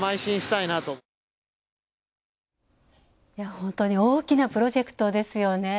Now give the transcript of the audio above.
本当に大きなプロジェクトですよね。